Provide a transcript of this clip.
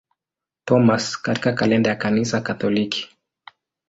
Thomas katika kalenda ya Kanisa Katoliki.